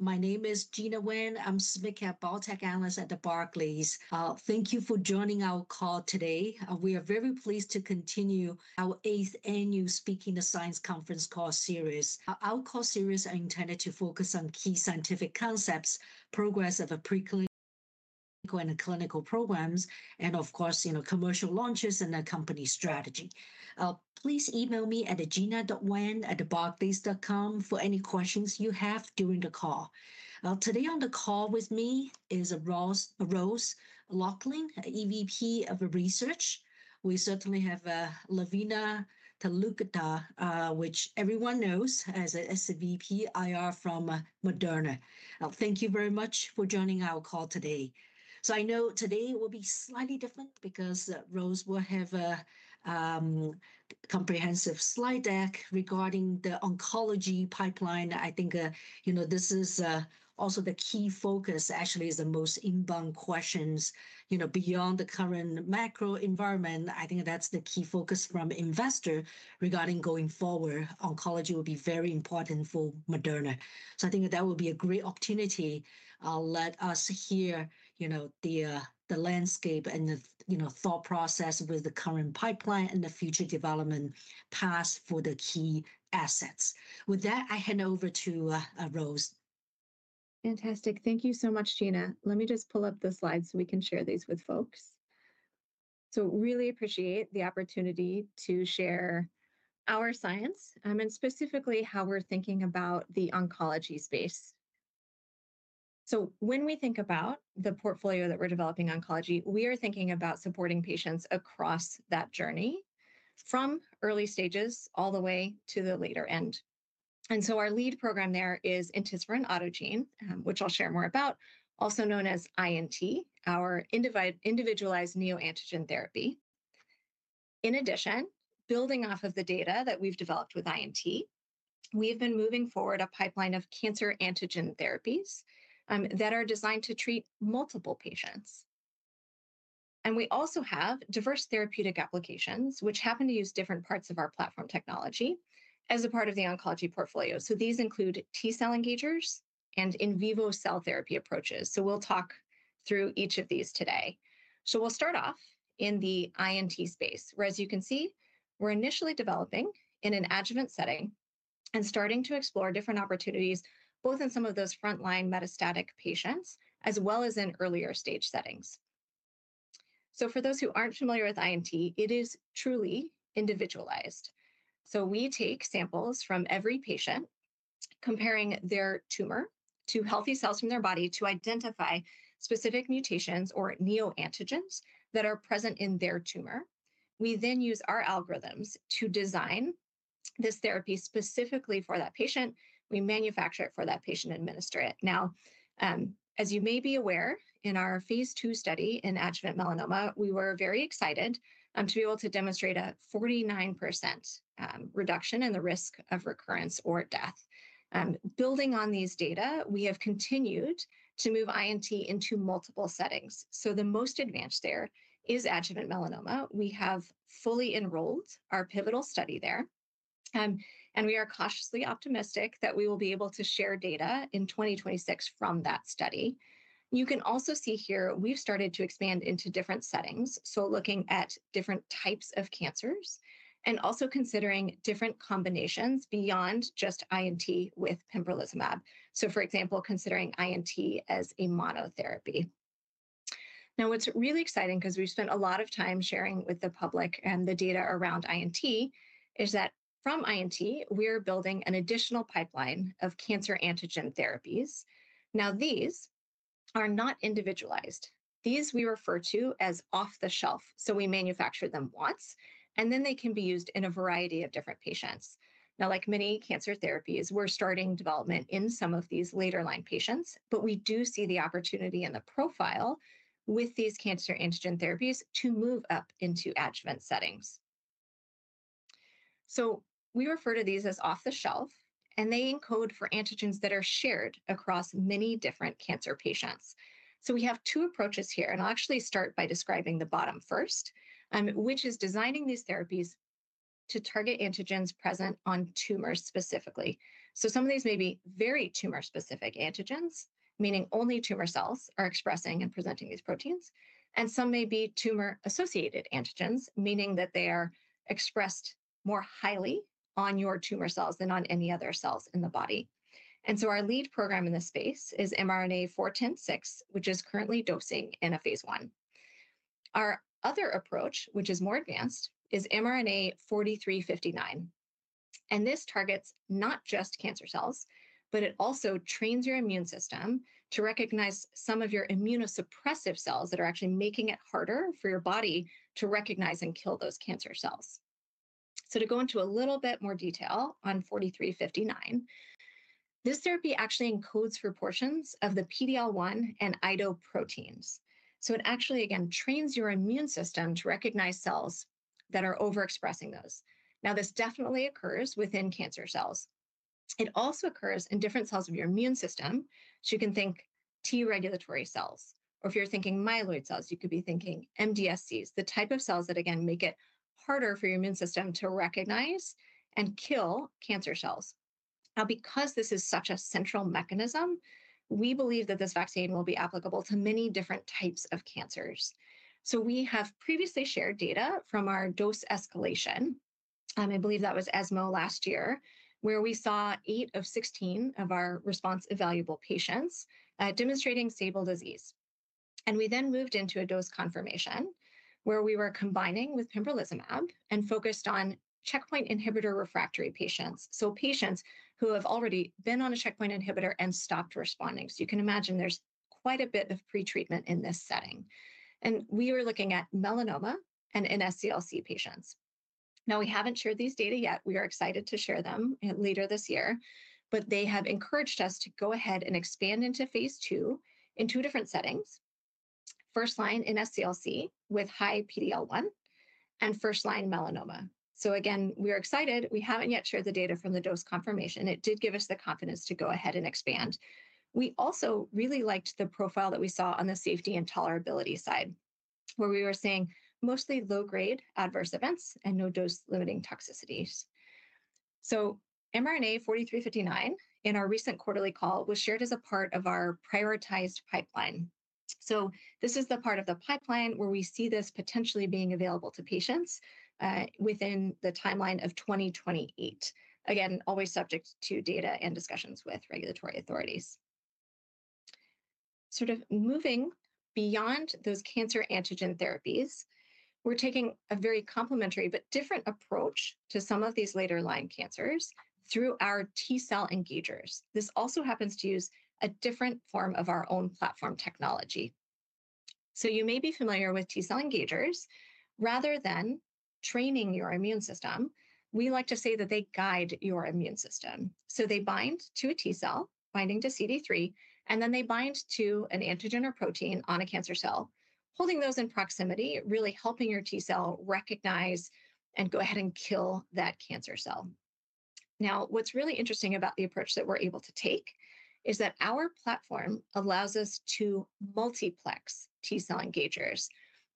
My name is Gina Nguyen. I'm a Smith-side Biotech Analyst at Barclays. Thank you for joining our call today. We are very pleased to continue our 8th annual Speaking the Science Conference call series. Our call series is intended to focus on key scientific concepts, progress of preclinical and clinical programs, and, of course, commercial launches and company strategy. Please email me at gina.nguyen@barclays.com for any questions you have during the call. Today on the call with me is Rose Loughlin, EVP of Research. We certainly have Lavina Talukdar, which everyone knows as VP IR from Moderna. Thank you very much for joining our call today. I know today will be slightly different because Rose will have a comprehensive slide deck regarding the oncology pipeline. I think this is also the key focus, actually, is the most inbound questions beyond the current macro environment. I think that's the key focus from investors regarding going forward. Oncology will be very important for Moderna. I think that will be a great opportunity to let us hear the landscape and the thought process with the current pipeline and the future development path for the key assets. With that, I hand over to Rose. Fantastic. Thank you so much, Gina. Let me just pull up the slides so we can share these with folks. I really appreciate the opportunity to share our science and specifically how we're thinking about the oncology space. When we think about the portfolio that we're developing in oncology, we are thinking about supporting patients across that journey from early stages all the way to the later end. Our lead program there is Intisurin Autogene, which I'll share more about, also known as INT, our Individualized Neoantigen Therapy. In addition, building off of the data that we've developed with INT, we have been moving forward a pipeline of cancer antigen therapies that are designed to treat multiple patients. We also have diverse therapeutic applications, which happen to use different parts of our platform technology as a part of the oncology portfolio. These include T-cell engagers and in vivo cell therapy approaches. We'll talk through each of these today. We'll start off in the INT space, where, as you can see, we're initially developing in an adjuvant setting and starting to explore different opportunities both in some of those frontline metastatic patients as well as in earlier stage settings. For those who aren't familiar with INT, it is truly individualized. We take samples from every patient, comparing their tumor to healthy cells from their body to identify specific mutations or neoantigens that are present in their tumor. We then use our algorithms to design this therapy specifically for that patient. We manufacture it for that patient and administer it. Now, as you may be aware, in our phase II study in adjuvant melanoma, we were very excited to be able to demonstrate a 49% reduction in the risk of recurrence or death. Building on these data, we have continued to move INT into multiple settings. The most advanced there is adjuvant melanoma. We have fully enrolled our pivotal study there. We are cautiously optimistic that we will be able to share data in 2026 from that study. You can also see here we have started to expand into different settings, looking at different types of cancers and also considering different combinations beyond just INT with pembrolizumab. For example, considering INT as a monotherapy. Now, what's really exciting, because we've spent a lot of time sharing with the public and the data around INT, is that from INT, we are building an additional pipeline of cancer antigen therapies. Now, these are not individualized. These we refer to as off-the-shelf. We manufacture them once, and then they can be used in a variety of different patients. Like many cancer therapies, we're starting development in some of these later-line patients, but we do see the opportunity and the profile with these cancer antigen therapies to move up into adjuvant settings. We refer to these as off-the-shelf, and they encode for antigens that are shared across many different cancer patients. We have two approaches here, and I'll actually start by describing the bottom first, which is designing these therapies to target antigens present on tumors specifically. Some of these may be very tumor-specific antigens, meaning only tumor cells are expressing and presenting these proteins, and some may be tumor-associated antigens, meaning that they are expressed more highly on your tumor cells than on any other cells in the body. Our lead program in this space is mRNA-4106, which is currently dosing in a phase I. Our other approach, which is more advanced, is mRNA-4359. This targets not just cancer cells, but it also trains your immune system to recognize some of your immunosuppressive cells that are actually making it harder for your body to recognize and kill those cancer cells. To go into a little bit more detail on 4359, this therapy actually encodes portions of the PD-L1 and IDO proteins. It actually, again, trains your immune system to recognize cells that are overexpressing those. Now, this definitely occurs within cancer cells. It also occurs in different cells of your immune system. You can think T regulatory cells, or if you're thinking myeloid cells, you could be thinking MDSCs, the type of cells that, again, make it harder for your immune system to recognize and kill cancer cells. Because this is such a central mechanism, we believe that this vaccine will be applicable to many different types of cancers. We have previously shared data from our dose escalation. I believe that was ESMO last year, where we saw 8 of 16 of our response evaluable patients demonstrating stable disease. We then moved into a dose confirmation, where we were combining with pembrolizumab and focused on checkpoint inhibitor refractory patients, patients who have already been on a checkpoint inhibitor and stopped responding. You can imagine there's quite a bit of pretreatment in this setting. We were looking at melanoma and NSCLC patients. We haven't shared these data yet. We are excited to share them later this year, but they have encouraged us to go ahead and expand into phase II in two different settings: first line NSCLC with high PD-L1 and first line melanoma. We are excited. We haven't yet shared the data from the dose confirmation. It did give us the confidence to go ahead and expand. We also really liked the profile that we saw on the safety and tolerability side, where we were seeing mostly low-grade adverse events and no dose-limiting toxicities. mRNA-4359 in our recent quarterly call was shared as a part of our prioritized pipeline. This is the part of the pipeline where we see this potentially being available to patients within the timeline of 2028. Again, always subject to data and discussions with regulatory authorities. Sort of moving beyond those cancer antigen therapies, we're taking a very complementary but different approach to some of these later-line cancers through our T-cell engagers. This also happens to use a different form of our own platform technology. You may be familiar with T-cell engagers. Rather than training your immune system, we like to say that they guide your immune system. They bind to a T-cell, binding to CD3, and then they bind to an antigen or protein on a cancer cell, holding those in proximity, really helping your T-cell recognize and go ahead and kill that cancer cell. Now, what's really interesting about the approach that we're able to take is that our platform allows us to multiplex T-cell engagers.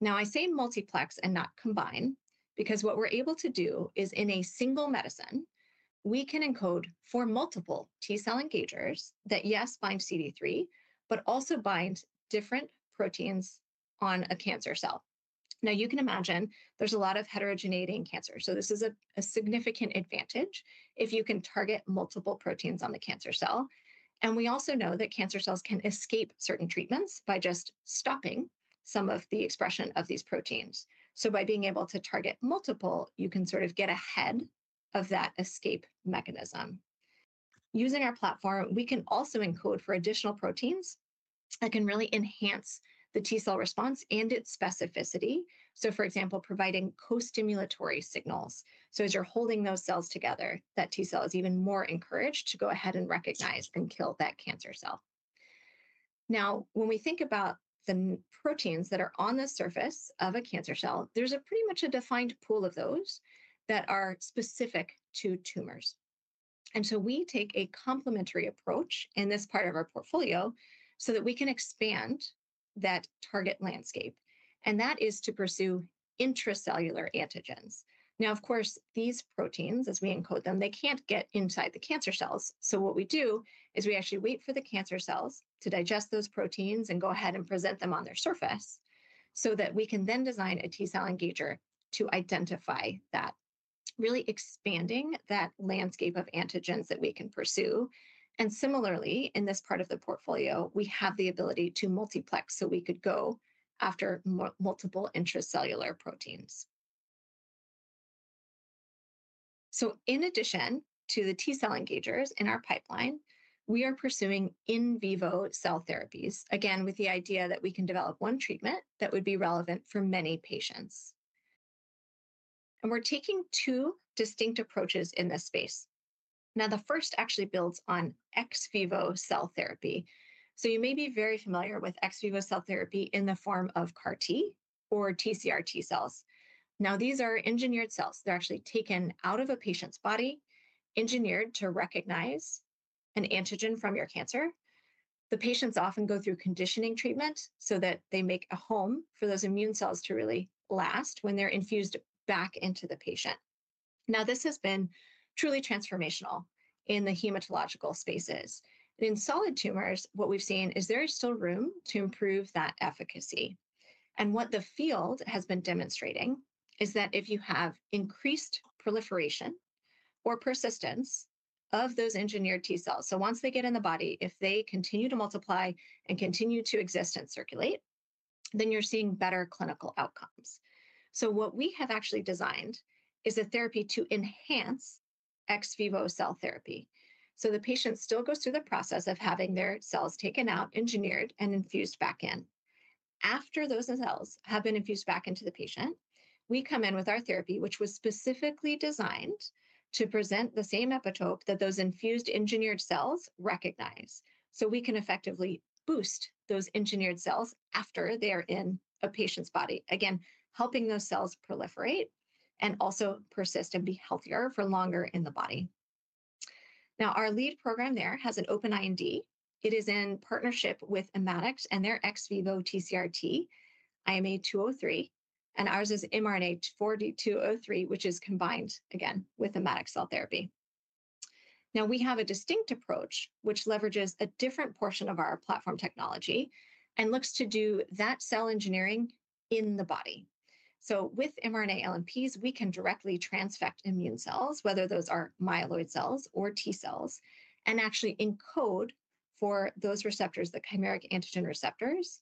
I say multiplex and not combine because what we're able to do is in a single medicine, we can encode for multiple T-cell engagers that, yes, bind CD3, but also bind different proteins on a cancer cell. You can imagine there's a lot of heterogeneity in cancer. This is a significant advantage if you can target multiple proteins on the cancer cell. We also know that cancer cells can escape certain treatments by just stopping some of the expression of these proteins. By being able to target multiple, you can sort of get ahead of that escape mechanism. Using our platform, we can also encode for additional proteins that can really enhance the T-cell response and its specificity. For example, providing co-stimulatory signals. As you're holding those cells together, that T-cell is even more encouraged to go ahead and recognize and kill that cancer cell. Now, when we think about the proteins that are on the surface of a cancer cell, there's pretty much a defined pool of those that are specific to tumors. We take a complementary approach in this part of our portfolio so that we can expand that target landscape. That is to pursue intracellular antigens. Of course, these proteins, as we encode them, they can't get inside the cancer cells. What we do is we actually wait for the cancer cells to digest those proteins and go ahead and present them on their surface so that we can then design a T-cell engager to identify that, really expanding that landscape of antigens that we can pursue. Similarly, in this part of the portfolio, we have the ability to multiplex so we could go after multiple intracellular proteins. In addition to the T-cell engagers in our pipeline, we are pursuing in vivo cell therapies, again, with the idea that we can develop one treatment that would be relevant for many patients. We are taking two distinct approaches in this space. The first actually builds on ex vivo cell therapy. You may be very familiar with ex vivo cell therapy in the form of CAR-T or TCR-T cells. These are engineered cells. They are actually taken out of a patient's body, engineered to recognize an antigen from your cancer. The patients often go through conditioning treatment so that they make a home for those immune cells to really last when they are infused back into the patient. Now, this has been truly transformational in the hematological spaces. In solid tumors, what we've seen is there is still room to improve that efficacy. What the field has been demonstrating is that if you have increased proliferation or persistence of those engineered T-cells, once they get in the body, if they continue to multiply and continue to exist and circulate, then you're seeing better clinical outcomes. What we have actually designed is a therapy to enhance ex vivo cell therapy. The patient still goes through the process of having their cells taken out, engineered, and infused back in. After those cells have been infused back into the patient, we come in with our therapy, which was specifically designed to present the same epitope that those infused engineered cells recognize. We can effectively boost those engineered cells after they are in a patient's body, again, helping those cells proliferate and also persist and be healthier for longer in the body. Now, our lead program there has an open IND. It is in partnership with Immatics and their ex vivo TCR-T, IMA-203, and ours is mRNA-4203, which is combined, again, with Immatics cell therapy. We have a distinct approach, which leverages a different portion of our platform technology and looks to do that cell engineering in the body. With mRNA LNPs, we can directly transfect immune cells, whether those are myeloid cells or T-cells, and actually encode for those receptors, the chimeric antigen receptors,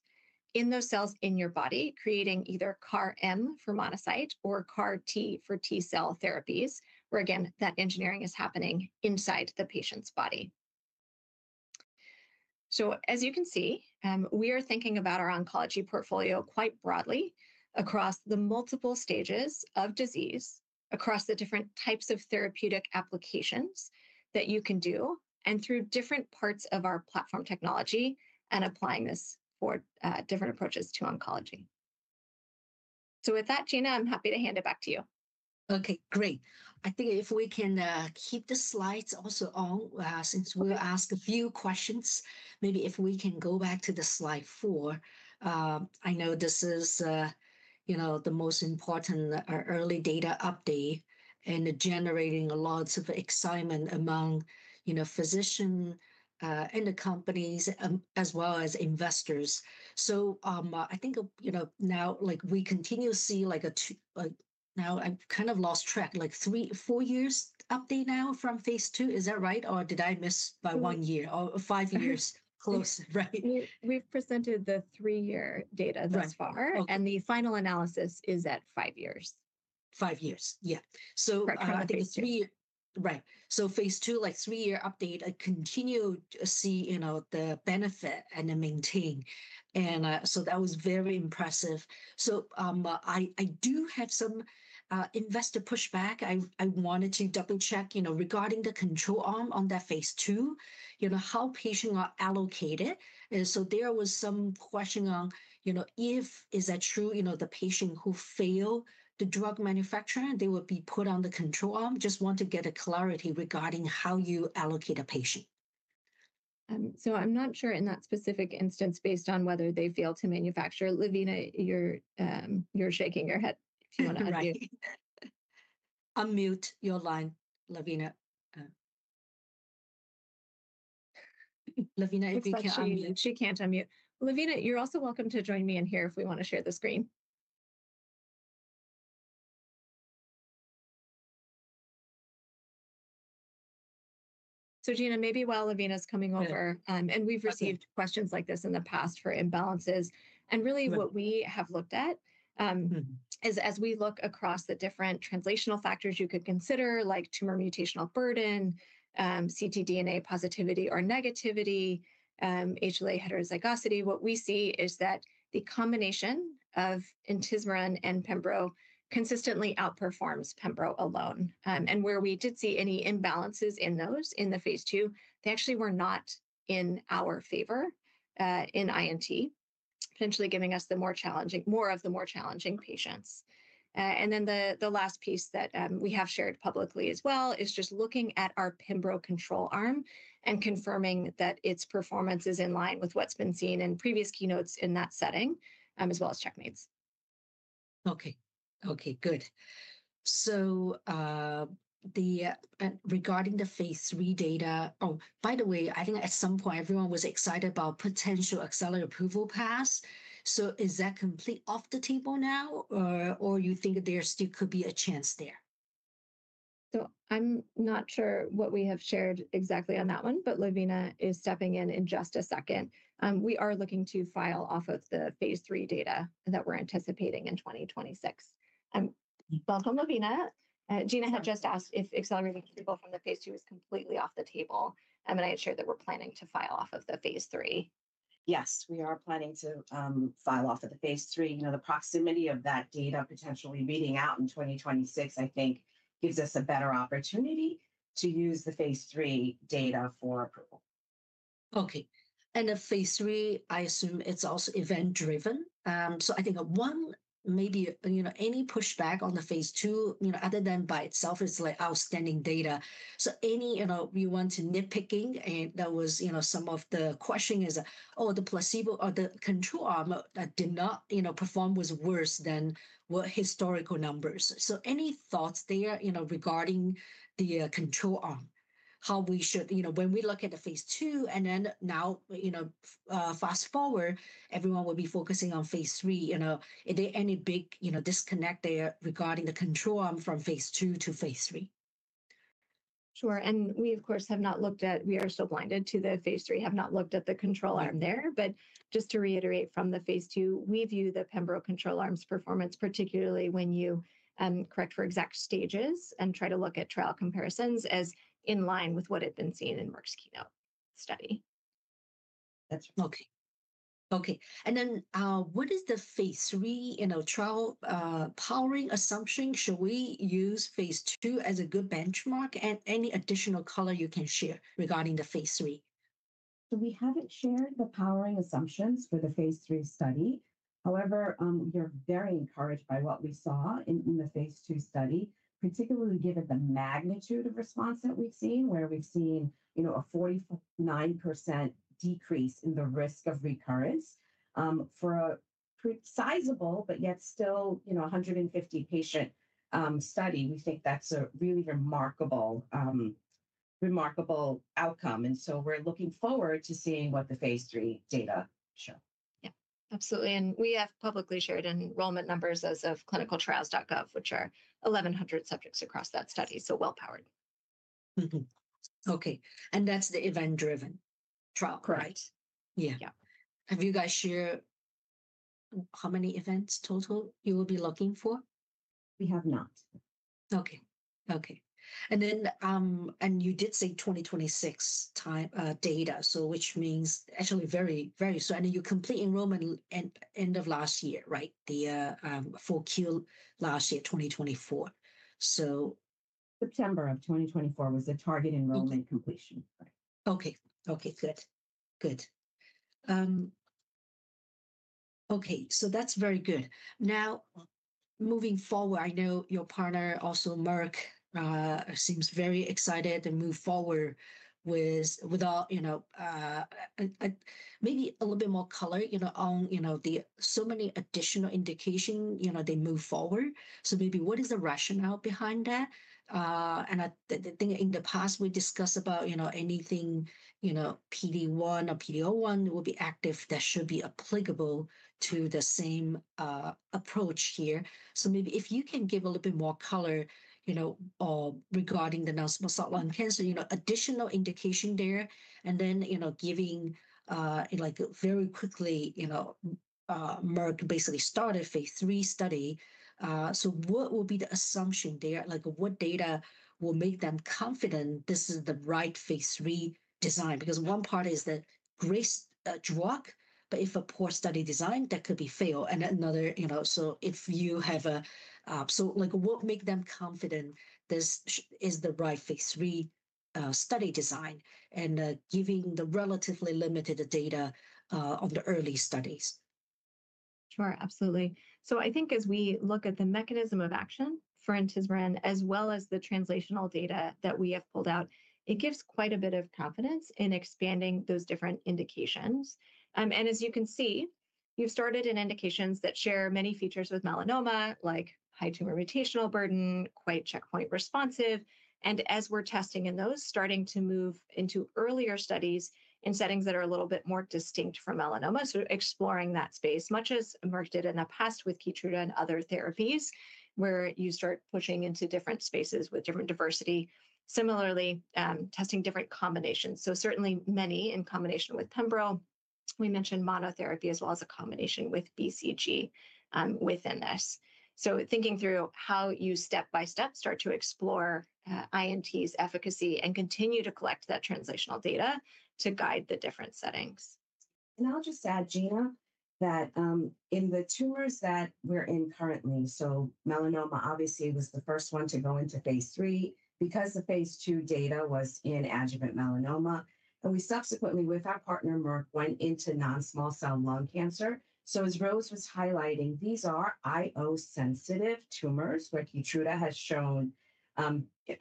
in those cells in your body, creating either CAR-M for monocyte or CAR-T for T-cell therapies, where, again, that engineering is happening inside the patient's body. As you can see, we are thinking about our oncology portfolio quite broadly across the multiple stages of disease, across the different types of therapeutic applications that you can do, and through different parts of our platform technology and applying this for different approaches to oncology. With that, Gina, I'm happy to hand it back to you. Okay, great. I think if we can keep the slides also on, since we'll ask a few questions, maybe if we can go back to slide four. I know this is, you know, the most important early data update and generating lots of excitement among, you know, physicians and the companies as well as investors. I think, you know, now, like we continue to see like a, now I've kind of lost track, like three, four years update now from phase II. Is that right? Or did I miss by one year or five years close, right? We've presented the three-year data thus far, and the final analysis is at five years. Five years, yeah. I think it's three, right? Phase II, like three-year update, I continue to see, you know, the benefit and the maintain. That was very impressive. I do have some investor pushback. I wanted to double-check, you know, regarding the control arm on that phase II, you know, how patients are allocated. There was some question on, you know, if, is that true, you know, the patient who failed the drug manufacturer, they would be put on the control arm. Just want to get a clarity regarding how you allocate a patient. I'm not sure in that specific instance, based on whether they fail to manufacture. Lavina, you're shaking your head if you want to unmute. Unmute your line, Lavina. Lavina, if you can't unmute. She can't unmute. Lavina, you're also welcome to join me in here if we want to share the screen. Gina, maybe while Lavina's coming over, and we've received questions like this in the past for imbalances. Really what we have looked at is, as we look across the different translational factors you could consider, like tumor mutational burden, CT DNA positivity or negativity, HLA heterozygosity, what we see is that the combination of INT and pembro consistently outperforms pembro alone. Where we did see any imbalances in those in the phase II, they actually were not in our favor in INT, potentially giving us the more challenging, more of the more challenging patients. The last piece that we have shared publicly as well is just looking at our pembro control arm and confirming that its performance is in line with what has been seen in previous keynotes in that setting, as well as checkmates. Okay, okay, good. Regarding the phase III data, oh, by the way, I think at some point everyone was excited about potential accelerator approval pass. Is that completely off the table now, or do you think there still could be a chance there? I am not sure what we have shared exactly on that one, but Lavina is stepping in in just a second. We are looking to file off of the phase III data that we are anticipating in 2026. Welcome, Lavina. Gina had just asked if accelerator approval from the phase II is completely off the table, and I had shared that we're planning to file off of the phase III. Yes, we are planning to file off of the phase III. You know, the proximity of that data potentially reading out in 2026, I think, gives us a better opportunity to use the phase III data for approval. Okay. The phase III, I assume it's also event-driven. I think one, maybe, you know, any pushback on the phase II, you know, other than by itself, it's like outstanding data. Any, you know, we want to nitpicking, and that was, you know, some of the question is, oh, the placebo or the control arm that did not, you know, perform was worse than what historical numbers. Any thoughts there, you know, regarding the control arm, how we should, you know, when we look at the phase II and then now, you know, fast forward, everyone will be focusing on phase III. You know, are there any big, you know, disconnect there regarding the control arm from phase II to phase III? Sure. And we, of course, have not looked at, we are still blinded to the phase III, have not looked at the control arm there. Just to reiterate from the phase II, we view the pembro control arm's performance, particularly when you correct for exact stages and try to look at trial comparisons, as in line with what had been seen in Merck's Keynote Study. That's right. Okay. Okay. What is thephase III, you know, trial powering assumption? Should we use phase II as a good benchmark? Any additional color you can share regarding the phase III? We have not shared the powering assumptions for the phase III study. However, we are very encouraged by what we saw in the phase II study, particularly given the magnitude of response that we have seen, where we have seen, you know, a 49% decrease in the risk of recurrence for a sizable, but yet still, you know, 150-patient study. We think that is a really remarkable outcome. We are looking forward to seeing what the phase III data show. Yeah, absolutely. We have publicly shared enrollment numbers as of clinicaltrials.gov, which are 1,100 subjects across that study, so well-powered. Okay. That is the event-driven trial, correct? Yeah. Yeah. Have you guys shared how many events total you will be looking for? We have not. Okay. Okay. And you did say 2026 data, so which means actually very, very, so I know you complete enrollment end of last year, right? The full Q last year, 2024. September of 2024 was the target enrollment completion. Okay. Okay. Good. Good. Okay. That is very good. Now, moving forward, I know your partner, also Merck, seems very excited to move forward with, you know, maybe a little bit more color, you know, on, you know, the so many additional indications, you know, they move forward. Maybe what is the rationale behind that? I think in the past we discussed about, you know, anything, you know, PD-1 or PD-L1 will be active that should be applicable to the same approach here. Maybe if you can give a little bit more color, you know, regarding the non-small cell lung cancer, you know, additional indication there, and then, you know, giving, like, very quickly, you know, Merck basically started phase III study. What will be the assumption there? Like, what data will make them confident this is the right phase III design? Because one part is that great drug, but if a poor study design, that could be fail. Another, you know, so if you have a, so like, what makes them confident this is the right phase III study design and giving the relatively limited data on the early studies? Sure, absolutely. I think as we look at the mechanism of action for intismerone as well as the translational data that we have pulled out, it gives quite a bit of confidence in expanding those different indications. As you can see, you've started in indications that share many features with melanoma, like high tumor mutational burden, quite checkpoint responsive. As we're testing in those, starting to move into earlier studies in settings that are a little bit more distinct from melanoma. Exploring that space, much as Merck did in the past with Keytruda and other therapies, where you start pushing into different spaces with different diversity, similarly testing different combinations. Certainly many in combination with pembro. We mentioned monotherapy as well as a combination with BCG within this. Thinking through how you step by step start to explore INT's efficacy and continue to collect that translational data to guide the different settings. I'll just add, Gina, that in the tumors that we're in currently, melanoma obviously was the first one to go into phase III because the phase II data was in adjuvant melanoma. We subsequently, with our partner Merck, went into non-small cell lung cancer. As Rose was highlighting, these are IO-sensitive tumors where Keytruda has shown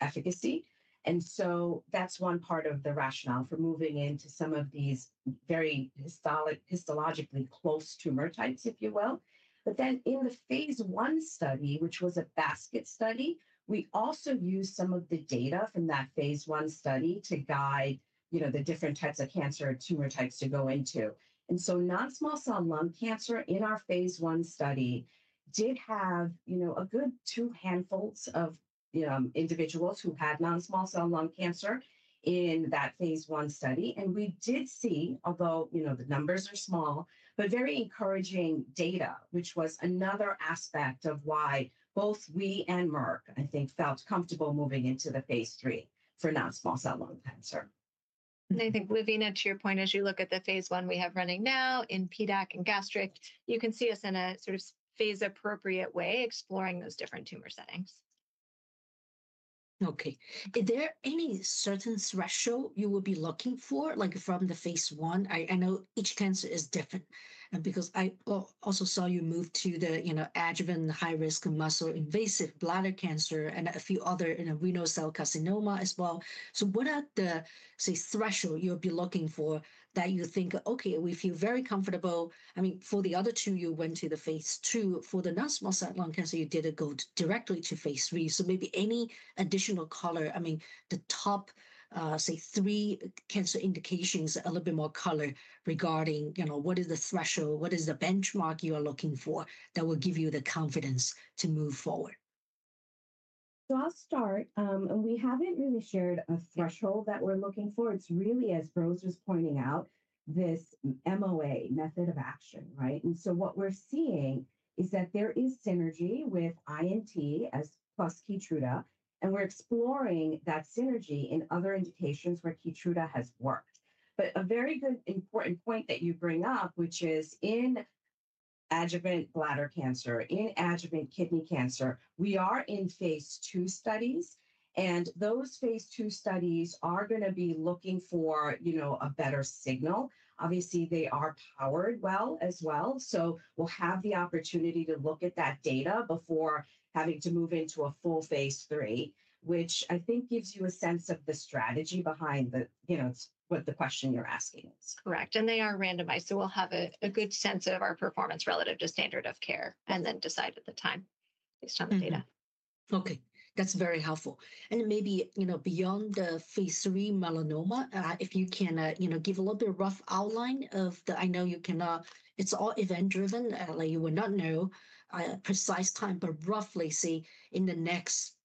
efficacy. That is one part of the rationale for moving into some of these very histologically close tumor types, if you will. In the phase I study, which was a basket study, we also used some of the data from that phase I study to guide, you know, the different types of cancer tumor types to go into. Non-small cell lung cancer in our phase I study did have, you know, a good two handfuls of, you know, individuals who had non-small cell lung cancer in that phase I study. We did see, although, you know, the numbers are small, but very encouraging data, which was another aspect of why both we and Merck, I think, felt comfortable moving into the phase III for non-small cell lung cancer. I think, Lavina, to your point, as you look at the phase I we have running now in PDAC and gastric, you can see us in a sort of phase-appropriate way exploring those different tumor settings. Okay. Is there any certain threshold you will be looking for, like from the phase II? I know each cancer is different because I also saw you move to the, you know, adjuvant high-risk muscle invasive bladder cancer and a few other renal cell carcinoma as well. What are the, say, threshold you'll be looking for that you think, okay, we feel very comfortable? I mean, for the other two, you went to the phase II. For the non-small cell lung cancer, you did not go directly to phase III. Maybe any additional color, I mean, the top, say, three cancer indications, a little bit more color regarding, you know, what is the threshold, what is the benchmark you are looking for that will give you the confidence to move forward? I'll start. We have not really shared a threshold that we're looking for. It is really, as Rose was pointing out, this MOA method of action, right? What we are seeing is that there is synergy with INT plus Keytruda, and we are exploring that synergy in other indications where Keytruda has worked. A very good important point that you bring up, which is in adjuvant bladder cancer, in adjuvant kidney cancer, we are in phase II studies. Those phase II studies are going to be looking for, you know, a better signal. Obviously, they are powered well as well. We will have the opportunity to look at that data before having to move into a full phase III, which I think gives you a sense of the strategy behind the, you know, what the question you are asking is. Correct. They are randomized. We will have a good sense of our performance relative to standard of care and then decide at the time based on the data. Okay. That is very helpful. Maybe, you know, beyond the phase III melanoma, if you can, you know, give a little bit of rough outline of the, I know you cannot, it's all event-driven. Like you will not know a precise time, but roughly see in the next,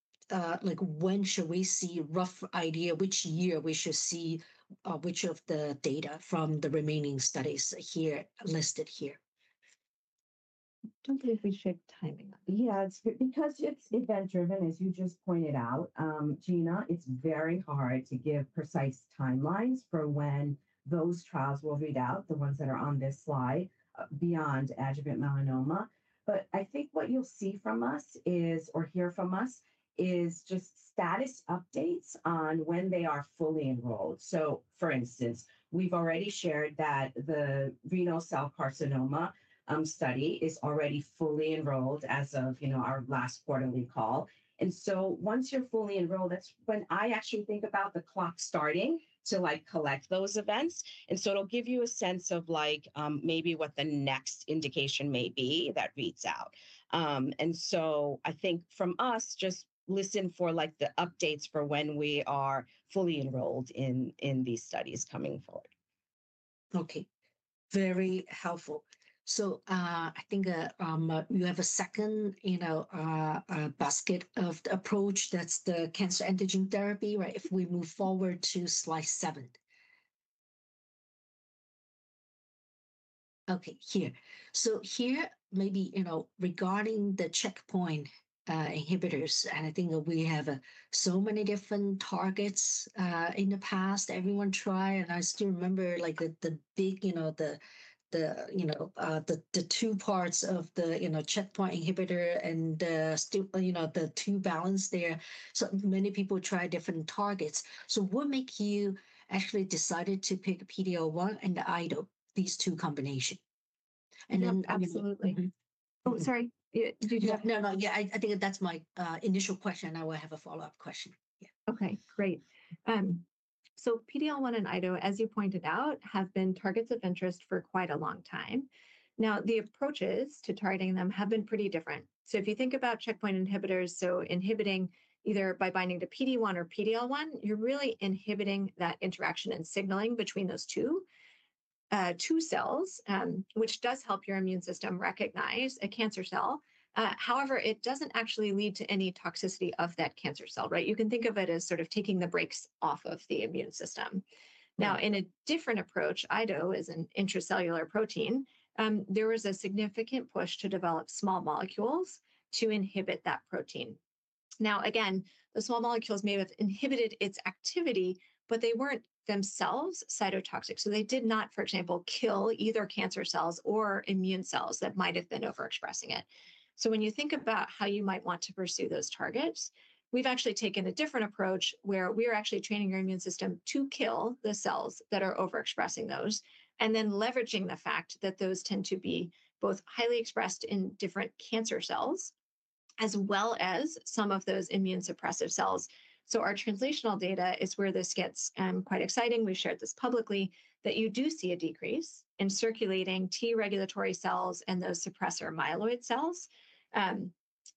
like when should we see rough idea which year we should see which of the data from the remaining studies here listed here? I do not believe we should timing. Yeah, it's because it's event-driven, as you just pointed out, Gina, it's very hard to give precise timelines for when those trials will read out, the ones that are on this slide, beyond adjuvant melanoma. I think what you'll see from us is, or hear from us, is just status updates on when they are fully enrolled. For instance, we've already shared that the renal cell carcinoma study is already fully enrolled as of, you know, our last quarterly call. Once you're fully enrolled, that's when I actually think about the clock starting to, like, collect those events. It'll give you a sense of, like, maybe what the next indication may be that reads out. I think from us, just listen for, like, the updates for when we are fully enrolled in these studies coming forward. Okay. Very helpful. I think you have a second, you know, basket of the approach. That's the cancer antigen therapy, right? If we move forward to slide seven. Okay, here. Here, maybe, you know, regarding the checkpoint inhibitors, I think we have so many different targets in the past. Everyone tried, and I still remember, like, the big, you know, the two parts of the, you know, checkpoint inhibitor and the, you know, the two balance there. So many people try different targets. What makes you actually decide to pick PD-L1 and IDO, these two combinations? And then, I mean, absolutely. Oh, sorry. Did you have? No, no. Yeah, I think that's my initial question. I will have a follow-up question. Yeah. Okay, great. PD-L1 and IDO, as you pointed out, have been targets of interest for quite a long time. Now, the approaches to targeting them have been pretty different. If you think about checkpoint inhibitors, inhibiting either by binding to PD-L1 or PD-1, you are really inhibiting that interaction and signaling between those two cells, which does help your immune system recognize a cancer cell. However, it doesn't actually lead to any toxicity of that cancer cell, right? You can think of it as sort of taking the brakes off of the immune system. Now, in a different approach, IDO is an intracellular protein. There was a significant push to develop small molecules to inhibit that protein. Now, again, the small molecules may have inhibited its activity, but they weren't themselves cytotoxic. They did not, for example, kill either cancer cells or immune cells that might have been overexpressing it. When you think about how you might want to pursue those targets, we've actually taken a different approach where we are actually training your immune system to kill the cells that are overexpressing those, and then leveraging the fact that those tend to be both highly expressed in different cancer cells, as well as some of those immune suppressive cells. Our translational data is where this gets quite exciting. We shared this publicly, that you do see a decrease in circulating T regulatory cells and those suppressor myeloid cells,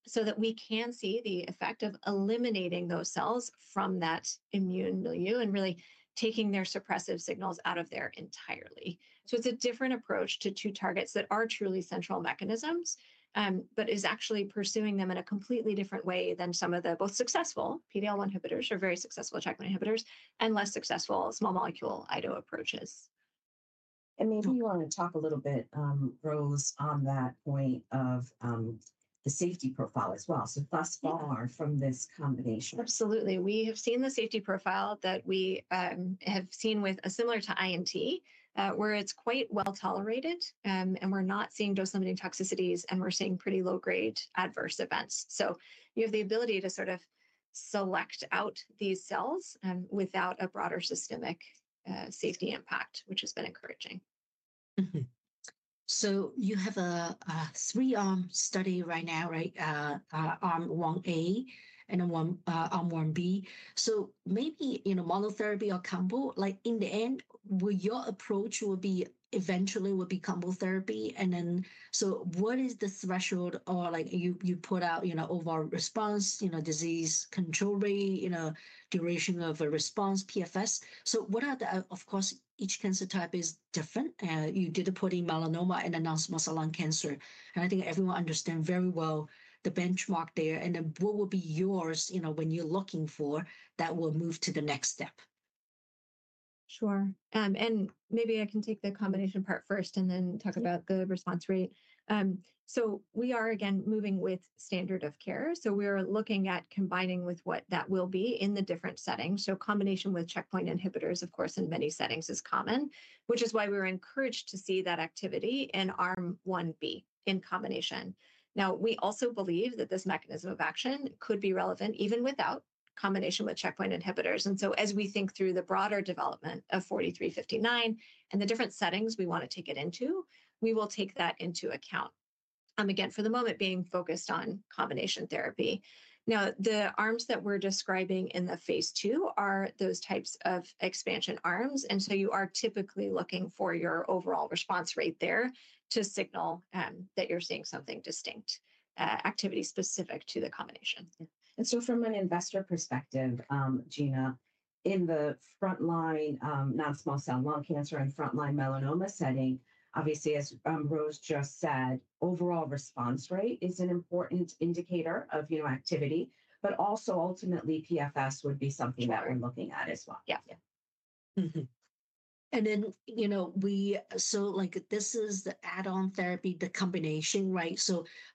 so that we can see the effect of eliminating those cells from that immune milieu and really taking their suppressive signals out of there entirely. It is a different approach to two targets that are truly central mechanisms, but is actually pursuing them in a completely different way than some of the both successful PD-1 inhibitors or very successful checkpoint inhibitors and less successful small molecule IDO approaches. Maybe you want to talk a little bit, Rose, on that point of the safety profile as well. Thus far from this combination. Absolutely. We have seen the safety profile that we have seen with a similar to INT, where it's quite well tolerated, and we're not seeing dose-limiting toxicities, and we're seeing pretty low-grade adverse events. You have the ability to sort of select out these cells without a broader systemic safety impact, which has been encouraging. You have a three-arm study right now, right? Arm one A and arm one B. Maybe, you know, monotherapy or combo, like in the end, your approach will be eventually will be combo therapy. What is the threshold or like you put out, you know, overall response, you know, disease control rate, you know, duration of a response, PFS? What are the, of course, each cancer type is different. You did put in melanoma and the non-small cell lung cancer. I think everyone understands very well the benchmark there. What will be yours, you know, when you're looking for that will move to the next step? Sure. Maybe I can take the combination part first and then talk about the response rate. We are again moving with standard of care. We are looking at combining with what that will be in the different settings. Combination with checkpoint inhibitors, of course, in many settings is common, which is why we were encouraged to see that activity in arm one B in combination. We also believe that this mechanism of action could be relevant even without combination with checkpoint inhibitors. As we think through the broader development of 4359 and the different settings we want to take it into, we will take that into account. Again, for the moment, being focused on combination therapy. Now, the arms that we're describing in the phase II are those types of expansion arms. You are typically looking for your overall response rate there to signal that you're seeing something distinct, activity specific to the combination. From an investor perspective, Gina, in the frontline non-small cell lung cancer and frontline melanoma setting, obviously, as Rose just said, overall response rate is an important indicator of, you know, activity, but also ultimately PFS would be something that we're looking at as well. Yeah. You know, we, so like this is the add-on therapy, the combination, right?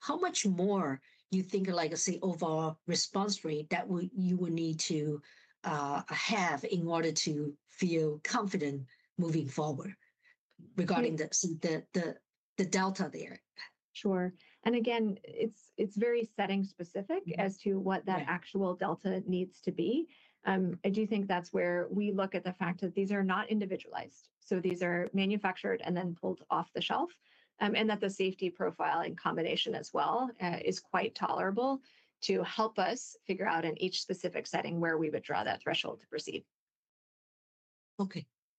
How much more do you think of like a, say, overall response rate that you would need to have in order to feel confident moving forward regarding the delta there? Sure. It is very setting specific as to what that actual delta needs to be. I do think that is where we look at the fact that these are not individualized. These are manufactured and then pulled off the shelf. The safety profile in combination as well is quite tolerable to help us figure out in each specific setting where we would draw that threshold to proceed.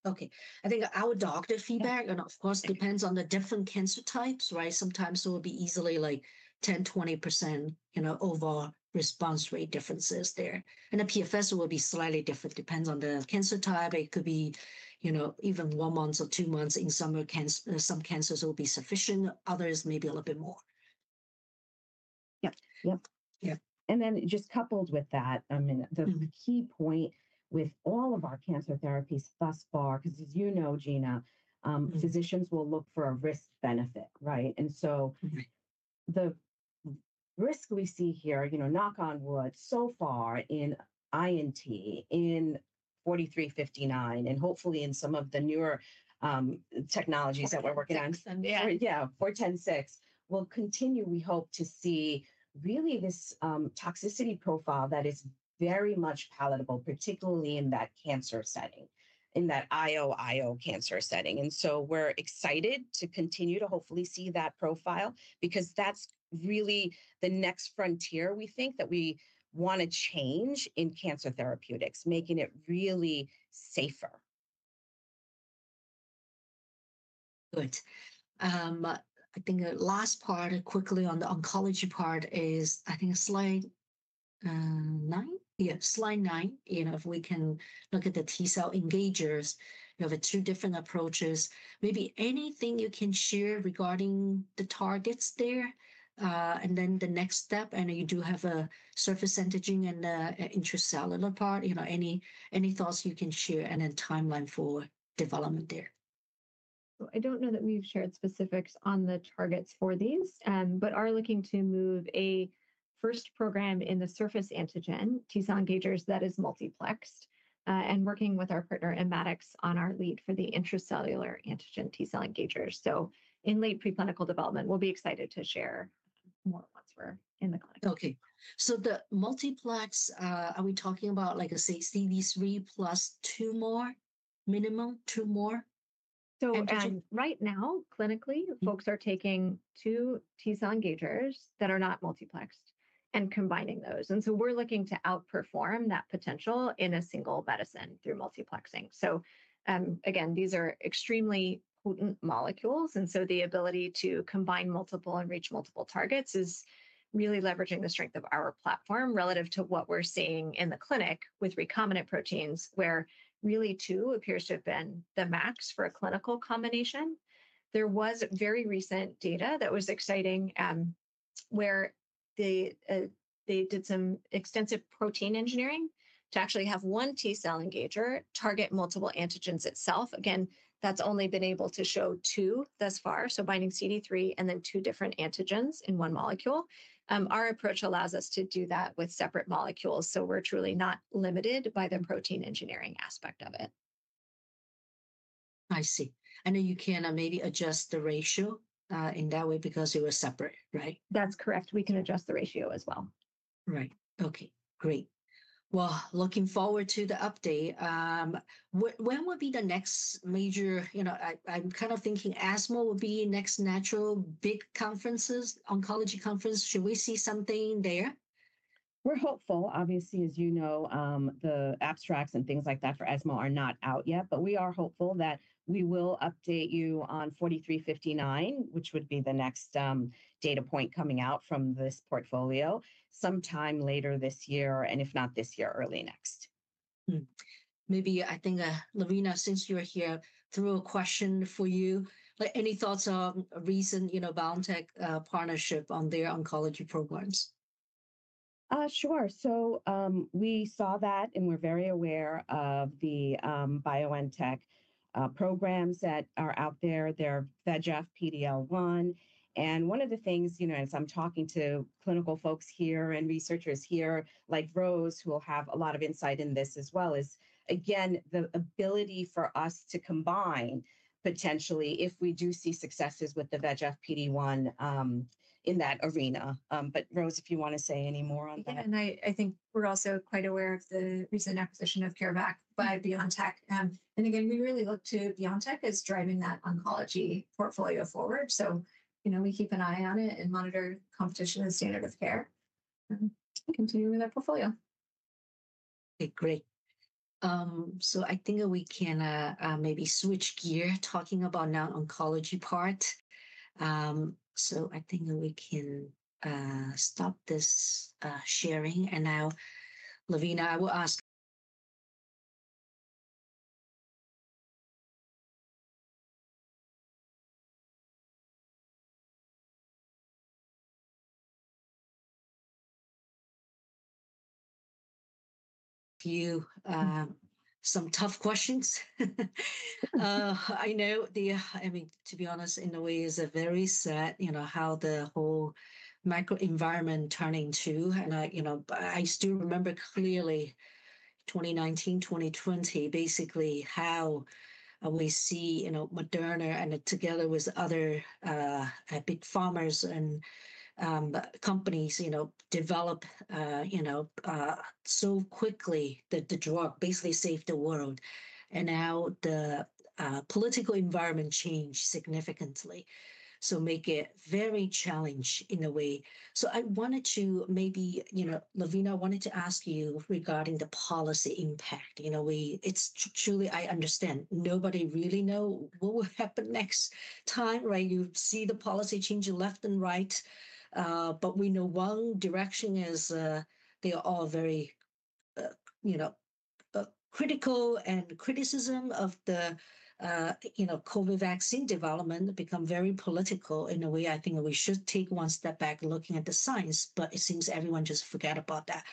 I think our doctor feedback, and of course, depends on the different cancer types, right? Sometimes it will be easily like 10%-20%, you know, overall response rate differences there. The PFS will be slightly different, depends on the cancer type. It could be, you know, even one month or two months in some cancers will be sufficient. Others may be a little bit more. Yep. Yep. Yeah. Then just coupled with that, I mean, the key point with all of our cancer therapies thus far, because as you know, Gina, physicians will look for a risk-benefit, right? The risk we see here, you know, knock on wood, so far in INT, in 4359, and hopefully in some of the newer technologies that we're working on. Yeah, 4106. We'll continue, we hope to see really this toxicity profile that is very much palatable, particularly in that cancer setting, in that IOIO cancer setting. We're excited to continue to hopefully see that profile because that's really the next frontier we think that we want to change in cancer therapeutics, making it really safer. Good. I think the last part quickly on the oncology part is, I think, slide nine. Yeah, slide nine, you know, if we can look at the T-cell engagers, you have two different approaches. Maybe anything you can share regarding the targets there. And then the next step, I know you do have a surface antigen and an intracellular part, you know, any thoughts you can share and then timeline for development there. I do not know that we have shared specifics on the targets for these, but are looking to move a first program in the surface antigen, T-cell engagers that is multiplexed, and working with our partner Immatics on our lead for the intracellular antigen T-cell engagers. In late preclinical development, we will be excited to share more once we are in the clinic. Okay. The multiplex, are we talking about like a safety, these three plus two more, minimum two more? Actually right now, clinically, folks are taking two T-cell engagers that are not multiplexed and combining those. We are looking to outperform that potential in a single medicine through multiplexing. These are extremely potent molecules, and the ability to combine multiple and reach multiple targets is really leveraging the strength of our platform relative to what we are seeing in the clinic with recombinant proteins, where two appears to have been the max for a clinical combination. There was very recent data that was exciting where they did some extensive protein engineering to have one T-cell engager target multiple antigens itself. That has only been able to show two thus far, so binding CD3 and then two different antigens in one molecule. Our approach allows us to do that with separate molecules. We're truly not limited by the protein engineering aspect of it. I see. I know you can maybe adjust the ratio in that way because you were separate, right? That's correct. We can adjust the ratio as well. Right. Okay. Great. Looking forward to the update. When will be the next major, you know, I'm kind of thinking ASMO will be next natural big conferences, oncology conference. Should we see something there? We're hopeful, obviously, as you know, the abstracts and things like that for ASMO are not out yet, but we are hopeful that we will update you on 4359, which would be the next data point coming out from this portfolio sometime later this year, and if not this year, early next. Maybe I think, Lorence, since you're here, throw a question for you. Any thoughts on a recent, you know, BioNTech partnership on their oncology programs? Sure. So we saw that and we're very aware of the BioNTech programs that are out there. They're VEGF, PD-L1. And one of the things, you know, as I'm talking to clinical folks here and researchers here, like Rose, who will have a lot of insight in this as well, is again, the ability for us to combine potentially if we do see successes with the VEGF, PD-L1 in that arena. But Rose, if you want to say any more on that. I think we're also quite aware of the recent acquisition of CureVac by BioNTech. And again, we really look to BioNTech as driving that oncology portfolio forward. You know, we keep an eye on it and monitor competition and standard of care. Continue with our portfolio. Okay, great. I think we can maybe switch gear talking about now-oncology part. I think we can stop this sharing. Now, Lavina, I will ask a few some tough questions. I know the, I mean, to be honest, in a way, is a very sad, you know, how the whole microenvironment turning to. I, you know, I still remember clearly 2019, 2020, basically how we see, you know, Moderna and together with other big pharmers and companies, you know, develop, you know, so quickly that the drug basically saved the world. Now the political environment changed significantly. Make it very challenged in a way. I wanted to maybe, you know, Lavina, I wanted to ask you regarding the policy impact. You know, we, it's truly, I understand nobody really know what will happen next time, right? You see the policy changing left and right. We know one direction is they are all very, you know, critical and criticism of the, you know, COVID vaccine development become very political in a way. I think we should take one step back looking at the science, but it seems everyone just forgot about that.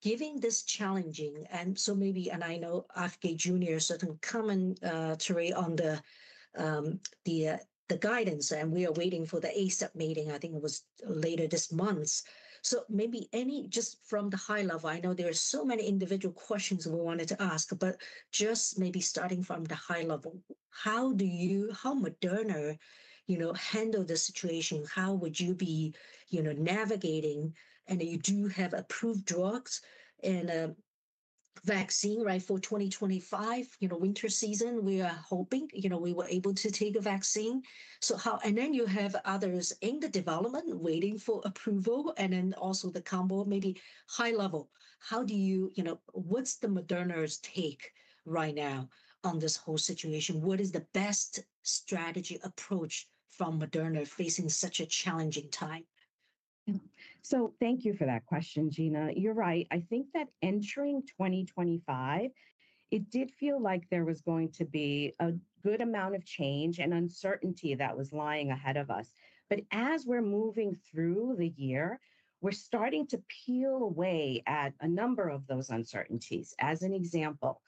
Giving this challenging, and maybe, and I know Afeyan Jr. is a commentary on the guidance, and we are waiting for the ACIP meeting. I think it was later this month. Maybe just from the high level, I know there are so many individual questions we wanted to ask, but just maybe starting from the high level, how do you, how Moderna, you know, handle the situation? How would you be, you know, navigating? You do have approved drugs and a vaccine, right, for 2025, you know, winter season. We are hoping, you know, we were able to take a vaccine. So how, and then you have others in the development waiting for approval, and then also the combo, maybe high level. How do you, you know, what's the Moderna's take right now on this whole situation? What is the best strategy approach from Moderna facing such a challenging time? So thank you for that question, Gina. You're right. I think that entering 2025, it did feel like there was going to be a good amount of change and uncertainty that was lying ahead of us. But as we're moving through the year, we're starting to peel away at a number of those uncertainties. As an example,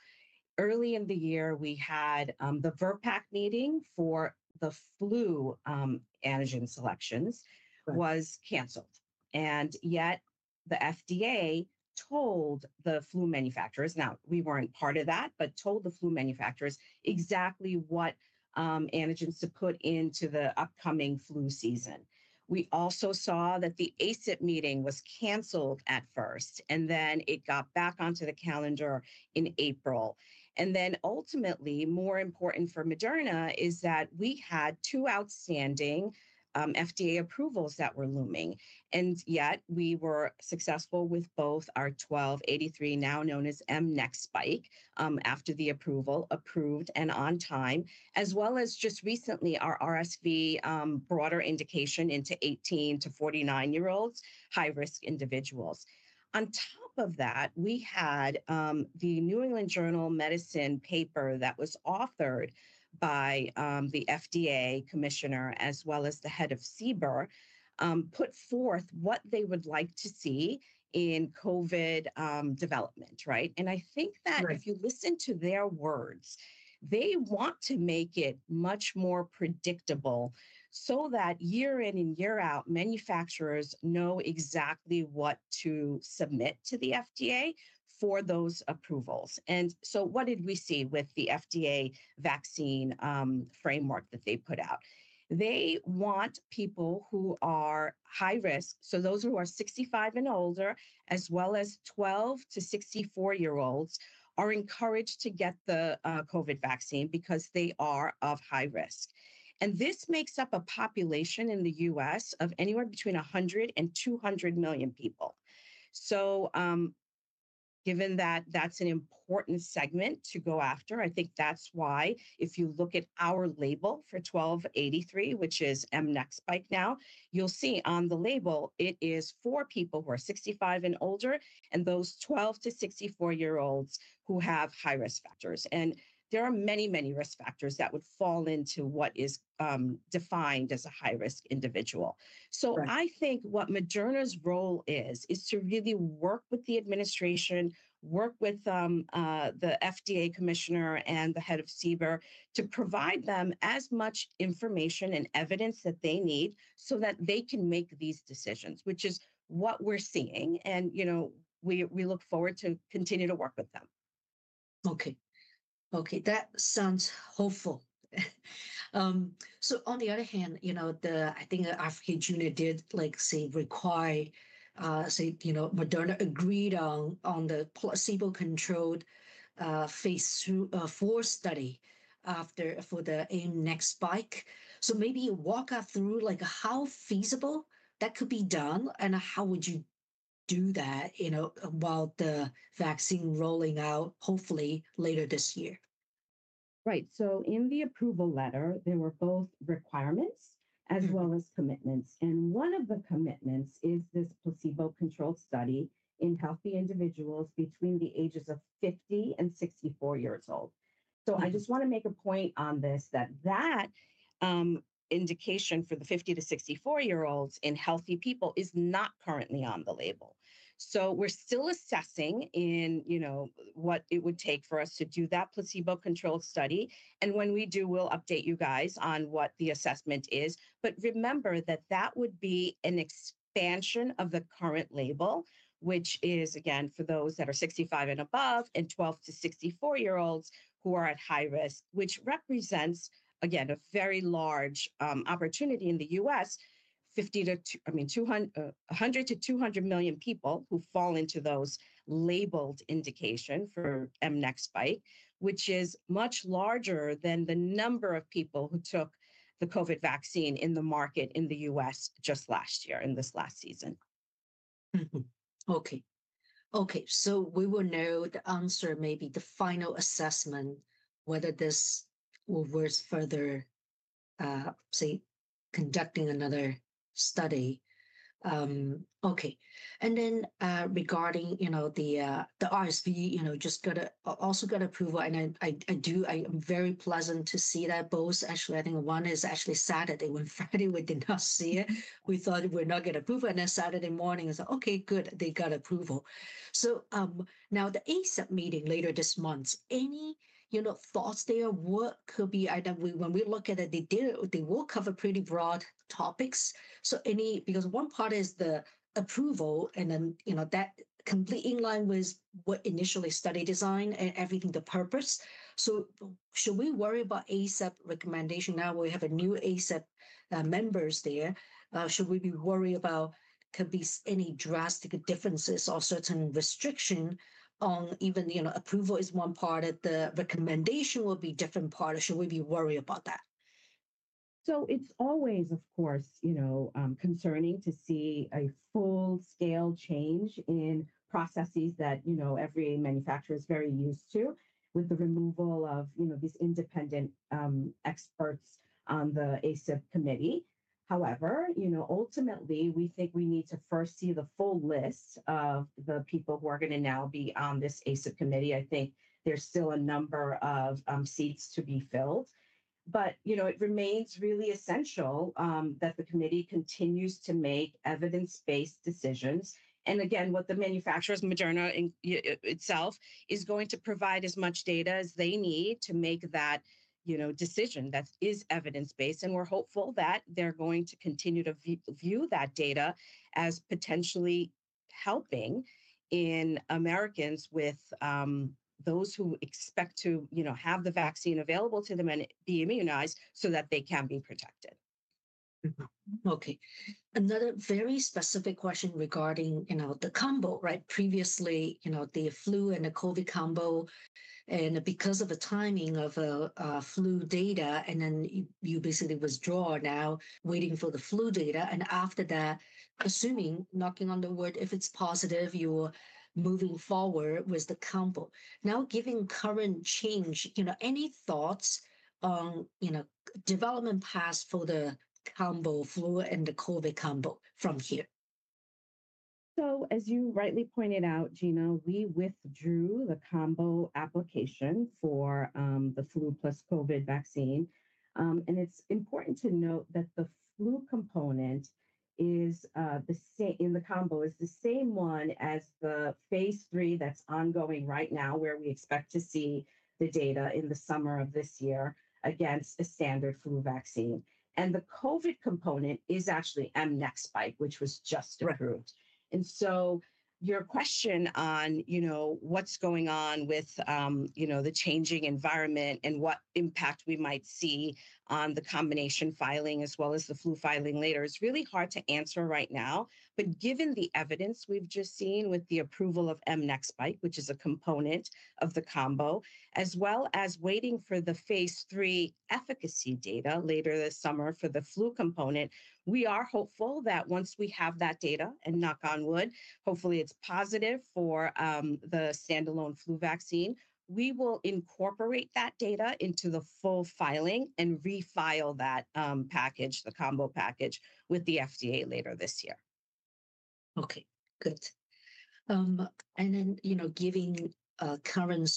early in the year, we had the VRPAC meeting for the flu antigen selections was canceled. Yet the FDA told the flu manufacturers, now we were not part of that, but told the flu manufacturers exactly what antigens to put into the upcoming flu season. We also saw that the ACIP meeting was canceled at first, and then it got back onto the calendar in April. Ultimately, more important for Moderna is that we had two outstanding FDA approvals that were looming. Yet we were successful with both our 1283, now known as mNEXSpike, after the approval approved and on time, as well as just recently our RSV broader indication into 18-49 year olds, high risk individuals. On top of that, we had the New England Journal of Medicine paper that was authored by the FDA commissioner, as well as the head of CBER, put forth what they would like to see in COVID development, right? I think that if you listen to their words, they want to make it much more predictable so that year in and year out, manufacturers know exactly what to submit to the FDA for those approvals. What did we see with the FDA vaccine framework that they put out? They want people who are high risk, so those who are 65 and older, as well as 12-64 year olds, are encouraged to get the COVID vaccine because they are of high risk. This makes up a population in the U.S. of anywhere between 100 millio-200 million people. Given that that's an important segment to go after, I think that's why if you look at our label for 1283, which is mNEXSpike now, you'll see on the label it is for people who are 65 and older and those 12 to 64 year olds who have high risk factors. There are many, many risk factors that would fall into what is defined as a high risk individual. I think what Moderna's role is, is to really work with the administration, work with the FDA commissioner and the head of CBER to provide them as much information and evidence that they need so that they can make these decisions, which is what we're seeing. You know, we look forward to continue to work with them. Okay. Okay. That sounds hopeful. On the other hand, you know, I think Afghan Jr. Did like say require, say, you know, Moderna agreed on the placebo controlled phase IV study after for the mNEXSpike. Maybe walk us through like how feasible that could be done and how would you do that, you know, while the vaccine rolling out hopefully later this year? Right. In the approval letter, there were both requirements as well as commitments. One of the commitments is this placebo controlled study in healthy individuals between the ages of 50 and 64 years old. I just want to make a point on this that that indication for the 50 to 64 year olds in healthy people is not currently on the label. We're still assessing in, you know, what it would take for us to do that placebo controlled study. When we do, we'll update you guys on what the assessment is. Remember that that would be an expansion of the current label, which is again, for those that are 65 and above and 12-64 year olds who are at high risk, which represents again, a very large opportunity in the U.S., 100 million-200 million people who fall into those labeled indication for mNEXSpike, which is much larger than the number of people who took the COVID vaccine in the market in the U.S. just last year in this last season. Okay. We will know the answer, maybe the final assessment, whether this will be worth further, say, conducting another study. Okay. Regarding, you know, the RSV, you know, just also got approval. I do, I'm very pleased to see that both actually, I think one is actually Saturday when Friday we did not see it. We thought we're not going to approve it. And then Saturday morning I said, okay, good, they got approval. Now the ACIP meeting later this month, any, you know, thoughts there what could be when we look at it, they did, they will cover pretty broad topics. Any, because one part is the approval and then, you know, that completely in line with what initially study design and everything the purpose. Should we worry about ASAP recommendation now we have new ASAP members there? Should we be worried about could be any drastic differences or certain restriction on even, you know, approval is one part of the recommendation will be different part. Should we be worried about that? It is always, of course, you know, concerning to see a full scale change in processes that, you know, every manufacturer is very used to with the removal of, you know, these independent experts on the ACIP committee. However, you know, ultimately we think we need to first see the full list of the people who are going to now be on this ACIP committee. I think there are still a number of seats to be filled. You know, it remains really essential that the committee continues to make evidence-based decisions. Again, what the manufacturers, Moderna itself, is going to provide is as much data as they need to make that, you know, decision that is evidence-based. We're hopeful that they're going to continue to view that data as potentially helping in Americans with those who expect to, you know, have the vaccine available to them and be immunized so that they can be protected. Okay. Another very specific question regarding, you know, the combo, right? Previously, you know, the flu and the COVID combo. And because of the timing of flu data and then you basically withdraw now waiting for the flu data. After that, assuming, knocking on the wood, if it's positive, you're moving forward with the combo. Now giving current change, you know, any thoughts on, you know, development paths for the combo, flu and the COVID combo from here? As you rightly pointed out, Gina, we withdrew the combo application for the flu plus COVID vaccine. It is important to note that the flu component in the combo is the same one as the phase III that is ongoing right now where we expect to see the data in the summer of this year against a standard flu vaccine. The COVID component is actually mNEXSpike, which was just approved. Your question on, you know, what is going on with, you know, the changing environment and what impact we might see on the combination filing as well as the flu filing later is really hard to answer right now. Given the evidence we've just seen with the approval of mNEXSpike, which is a component of the combo, as well as waiting for the phase III efficacy data later this summer for the flu component, we are hopeful that once we have that data and, knock on wood, hopefully it's positive for the standalone flu vaccine, we will incorporate that data into the full filing and refile that package, the combo package, with the FDA later this year. Okay. Good. And then, you know, given current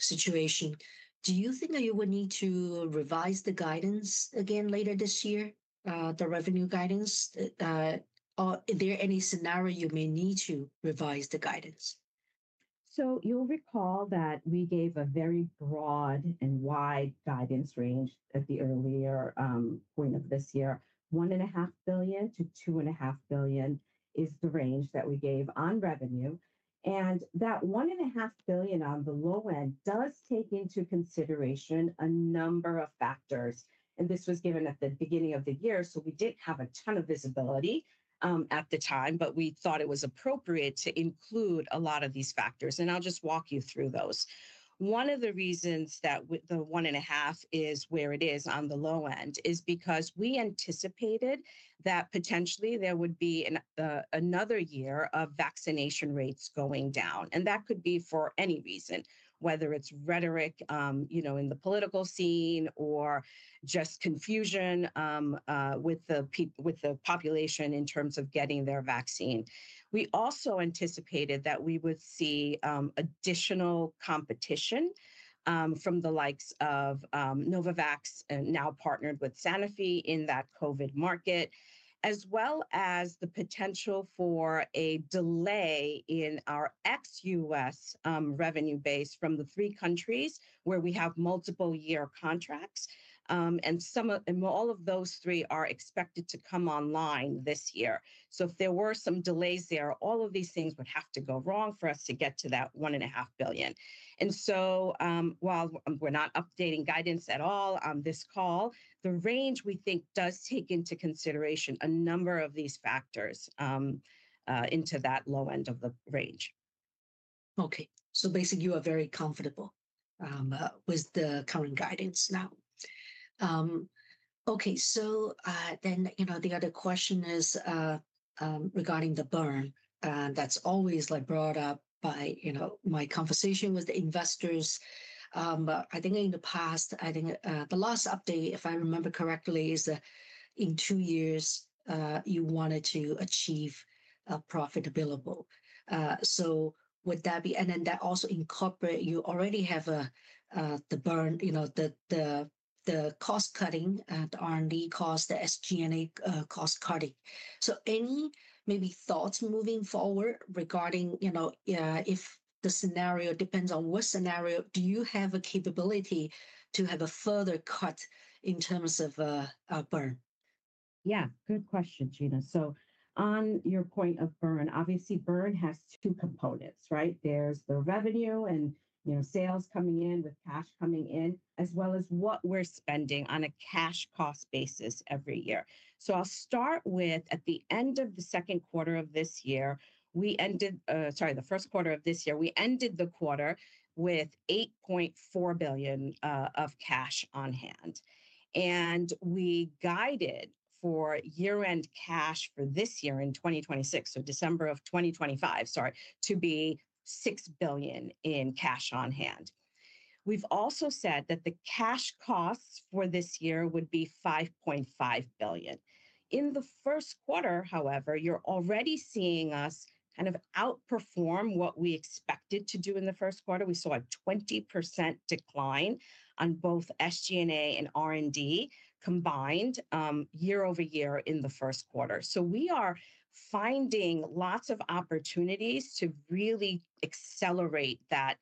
situation, do you think that you would need to revise the guidance again later this year, the revenue guidance? Are there any scenario you may need to revise the guidance? You'll recall that we gave a very broad and wide guidance range at the earlier point of this year. 1.5 billion to 2.5 billion is the range that we gave on revenue. That 1.5 billion on the low end does take into consideration a number of factors. This was given at the beginning of the year. We did not have a ton of visibility at the time, but we thought it was appropriate to include a lot of these factors. I'll just walk you through those. One of the reasons that the 1.5 is where it is on the low end is because we anticipated that potentially there would be another year of vaccination rates going down. That could be for any reason, whether it is rhetoric, you know, in the political scene or just confusion with the population in terms of getting their vaccine. We also anticipated that we would see additional competition from the likes of Novavax, now partnered with Sanofi in that COVID market, as well as the potential for a delay in our ex-U.S. revenue base from the three countries where we have multiple year contracts. Some or all of those three are expected to come online this year. If there were some delays there, all of these things would have to go wrong for us to get to that $1.5 billion. While we're not updating guidance at all on this call, the range we think does take into consideration a number of these factors into that low end of the range. Okay. Basically you are very comfortable with the current guidance now. Okay. The other question is regarding the burn. That's always like brought up by, you know, my conversation with the investors. I think in the past, I think the last update, if I remember correctly, is that in two years you wanted to achieve a profitability. Would that be, and then that also incorporate, you already have the burn, you know, the cost cutting, the R&D cost, the SG&A cost cutting. Any maybe thoughts moving forward regarding, you know, if the scenario depends on what scenario, do you have a capability to have a further cut in terms of a burn? Yeah. Good question, Gina. On your point of burn, obviously burn has two components, right? There's the revenue and, you know, sales coming in with cash coming in, as well as what we're spending on a cash cost basis every year. I'll start with at the end of the second quarter of this year, we ended, sorry, the first quarter of this year, we ended the quarter with $8.4 billion of cash on hand. We guided for year-end cash for this year in 2026, so December of 2025, sorry, to be $6 billion in cash on hand. We've also said that the cash costs for this year would be $5.5 billion. In the first quarter, however, you're already seeing us kind of outperform what we expected to do in the first quarter. We saw a 20% decline on both SG&A and R&D combined year over year in the first quarter. We are finding lots of opportunities to really accelerate that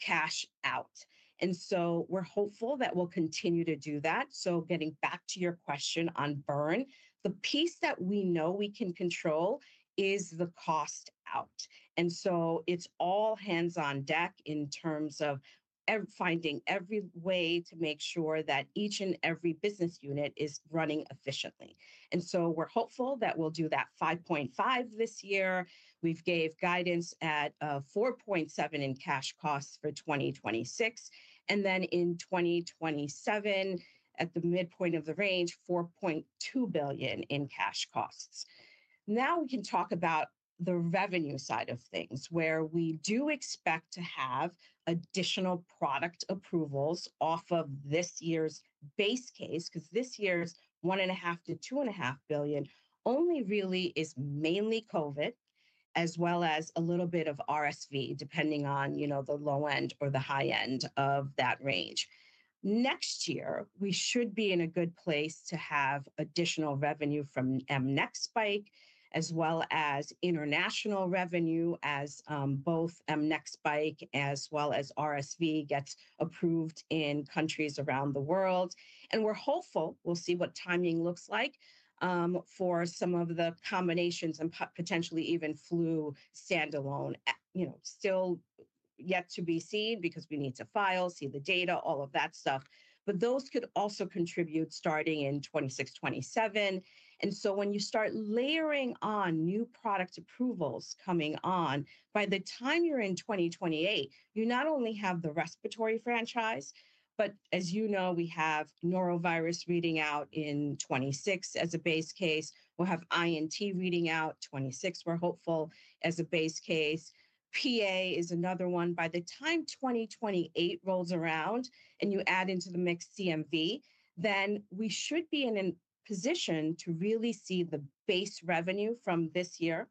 cash out. We are hopeful that we'll continue to do that. Getting back to your question on burn, the piece that we know we can control is the cost out. It is all hands on deck in terms of finding every way to make sure that each and every business unit is running efficiently. We are hopeful that we will do that $5.5 billion this year. We gave guidance at $4.7 billion in cash costs for 2026. In 2027, at the midpoint of the range, $4.2 billion in cash costs. Now we can talk about the revenue side of things where we do expect to have additional product approvals off of this year's base case, because this year's $1.5 billion-$2.5 billion only really is mainly COVID, as well as a little bit of RSV, depending on, you know, the low end or the high end of that range. Next year, we should be in a good place to have additional revenue from mNEXSpike, as well as international revenue as both mNEXSpike as well as RSV gets approved in countries around the world. We're hopeful, we'll see what timing looks like for some of the combinations and potentially even flu standalone, you know, still yet to be seen because we need to file, see the data, all of that stuff. Those could also contribute starting in 2026, 2027. When you start layering on new product approvals coming on, by the time you're in 2028, you not only have the respiratory franchise, but as you know, we have norovirus reading out in 2026 as a base case. We'll have INT reading out 2026, we're hopeful as a base case. PA is another one. By the time 2028 rolls around and you add into the mix CMV, then we should be in a position to really see the base revenue from this year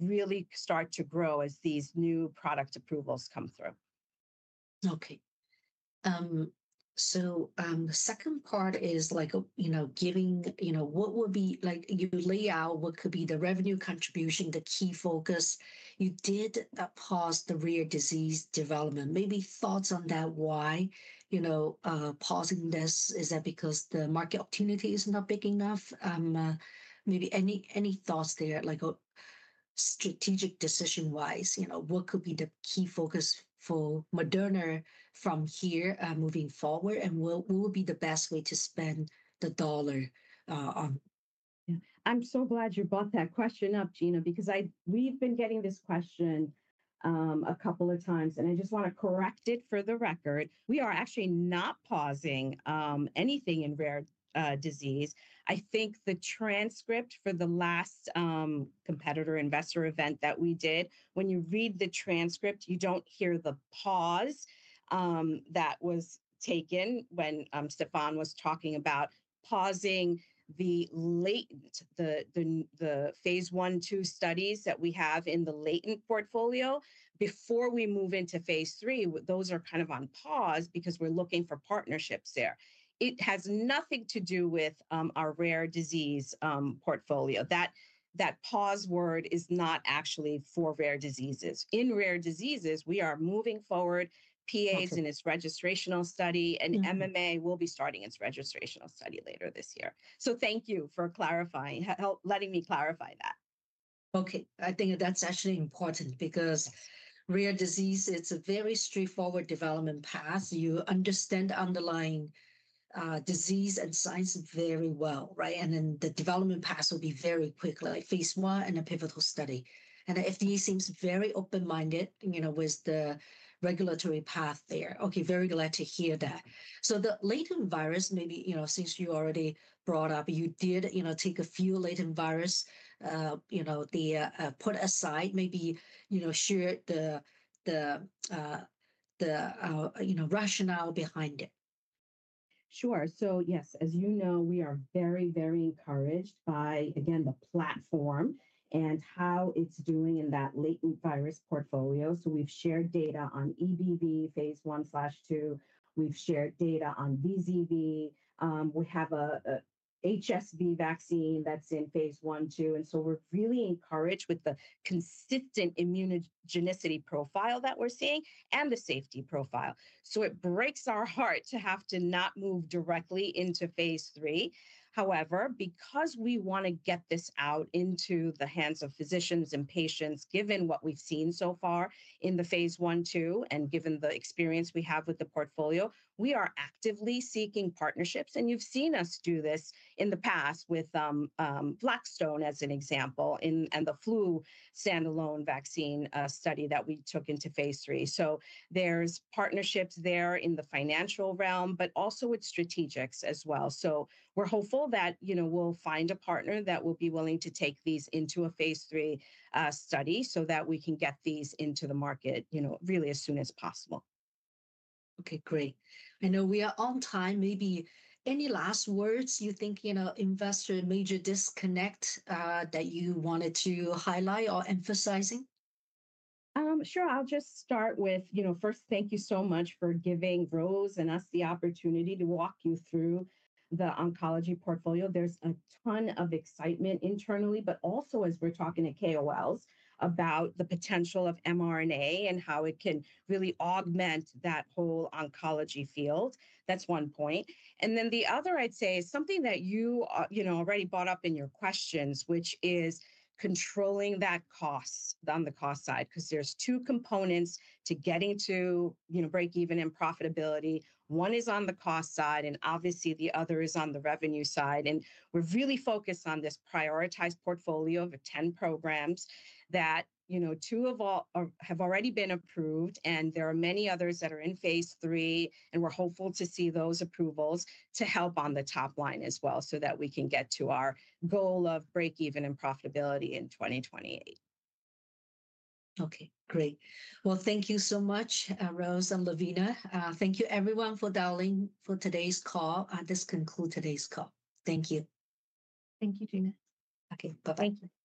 really start to grow as these new product approvals come through. Okay. The second part is like, you know, giving, you know, what would be like you lay out what could be the revenue contribution, the key focus. You did pause the rare disease development. Maybe thoughts on that, why, you know, pausing this, is that because the market opportunity is not big enough? Maybe any thoughts there like strategic decision wise, you know, what could be the key focus for Moderna from here moving forward and what would be the best way to spend the dollar on? Yeah, I'm so glad you brought that question up, Gina, because we've been getting this question a couple of times and I just want to correct it for the record. We are actually not pausing anything in rare disease. I think the transcript for the last competitor investor event that we did, when you read the transcript, you do not hear the pause that was taken when Stefan was talking about pausing the latent, the phase I, two studies that we have in the latent portfolio before we move into phase III. Those are kind of on pause because we're looking for partnerships there. It has nothing to do with our rare disease portfolio. That pause word is not actually for rare diseases. In rare diseases, we are moving forward. PA is in its registrational study and MMA will be starting its registrational study later this year. Thank you for clarifying, letting me clarify that. Okay. I think that's actually important because rare disease, it's a very straightforward development path. You understand underlying disease and science very well, right? The development path will be very quickly, like phase I and a pivotal study. The FDA seems very open-minded, you know, with the regulatory path there. Okay. Very glad to hear that. The latent virus, maybe, you know, since you already brought up, you did, you know, take a few latent virus, you know, put aside, maybe, you know, share the, you know, rationale behind it. Sure. Yes, as you know, we are very, very encouraged by, again, the platform and how it's doing in that latent virus portfolio. We've shared data on EBV phase I/II. We've shared data on VZV. We have an HSV vaccine that's in phase I, II. We are really encouraged with the consistent immunogenicity profile that we're seeing and the safety profile. It breaks our heart to have to not move directly into phase III. However, because we want to get this out into the hands of physicians and patients, given what we've seen so far in the phase I, II, and given the experience we have with the portfolio, we are actively seeking partnerships. You've seen us do this in the past with Blackstone as an example and the flu standalone vaccine study that we took into phase III. There are partnerships there in the financial realm, but also with strategics as well. We're hopeful that, you know, we'll find a partner that will be willing to take these into a phase III study so that we can get these into the market, you know, really as soon as possible. Okay. Great. I know we are on time. Maybe any last words you think, you know, investor major disconnect that you wanted to highlight or emphasizing? Sure. I'll just start with, you know, first, thank you so much for giving Rose and us the opportunity to walk you through the oncology portfolio. There's a ton of excitement internally, but also as we're talking at KOLs about the potential of mRNA and how it can really augment that whole oncology field. That's one point. The other, I'd say, is something that you, you know, already brought up in your questions, which is controlling that cost on the cost side, because there are two components to getting to, you know, break even and profitability. One is on the cost side, and obviously the other is on the revenue side. We are really focused on this prioritized portfolio of 10 programs that, you know, two of which have already been approved, and there are many others that are in phase III, and we are hopeful to see those approvals to help on the top line as well so that we can get to our goal of break even and profitability in 2028. Thank you so much, Rose and Lavina. Thank you everyone for dialing in for today's call. This concludes today's call. Thank you. Thank you, Gina. Bye-bye. Thank you.